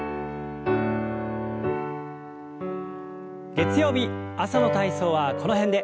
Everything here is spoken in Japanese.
月曜日朝の体操はこの辺で。